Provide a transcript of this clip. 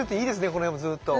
この辺もずっと。